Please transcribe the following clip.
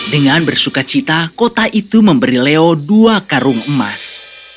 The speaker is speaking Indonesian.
dengan bersuka cita kota itu memberi leo dua karung emas